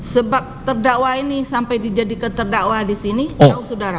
sebab terdakwa ini sampai dijadikan terdakwa di sini tahu saudara